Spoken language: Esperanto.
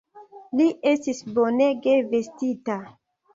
Li estis bonege vestita!